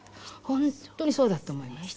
本当にそうだと思います。